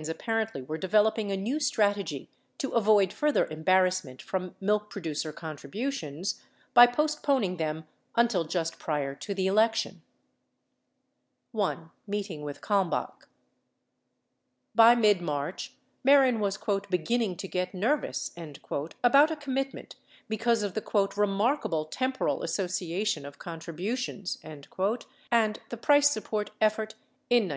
714 were developing a new strategy to avoid further embarrassment from milk producer contributions by postponing them until just prior to the election. 1. MEETING WITH KALMBACH By mid March, Mehren was "beginning to get nervous" about a commitment because of the "remarkable temporal association of con tributions" and the price support effort in 1971.